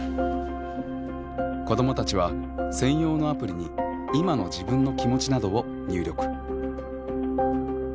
子どもたちは専用のアプリに今の自分の気持ちなどを入力。